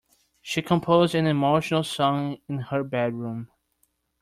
She composed an emotional song in her bedroom.